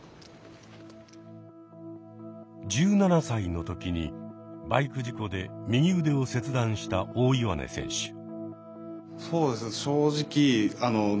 １７歳の時にバイク事故で右腕を切断した大岩根選手。